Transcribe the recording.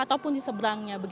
ataupun di seberangnya